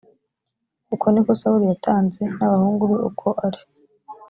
uko ni ko sawuli yatanze n abahungu be uko ari